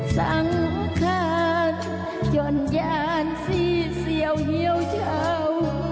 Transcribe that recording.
สังขาดจนยานสีเสี่ยวเหี่ยวเฉา